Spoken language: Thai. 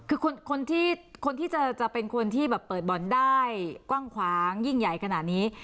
คือคนที่จะเป็นคนที่แบบเปิดบ่อนได้กว้างขวางยิ่งใหญ่ขนาดนี้